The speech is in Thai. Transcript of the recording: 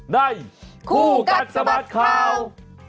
ในคู่กัดสะบัดข่าว